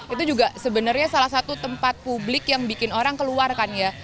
itu juga sebenarnya salah satu tempat publik yang bikin orang keluar kan ya